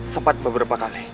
sempat beberapa kali